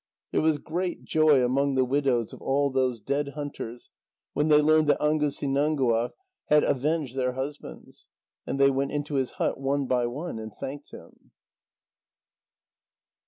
There was great joy among the widows of all those dead hunters when they learned that Angusinãnguaq had avenged their husbands. And they went into his hut one by one and thanked him.